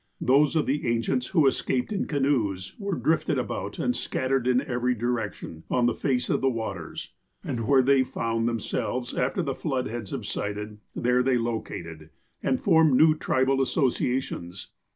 "Those of the ancients who escaped in canoes, were drifted about, and scattered in every direction, on the face of the waters ; and where they found themselves after the flood had subsided, there they located, and formed new tribal associa tions.